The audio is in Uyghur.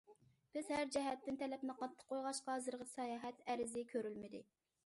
بىز ھەر جەھەتتىن تەلەپنى قاتتىق قويغاچقا، ھازىرغىچە ساياھەت ئەرزى كۆرۈلمىدى.